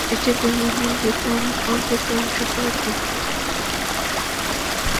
এটি বিমানের বিপণন ও বিক্রয় শাখার অধীন।